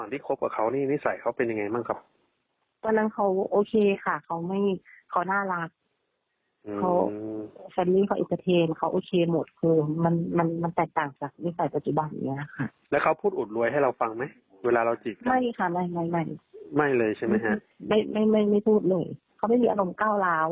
นะคะอืมหนูหนูก็ไม่รู้ว่านักป่วยหรืออะไรรึเปล่า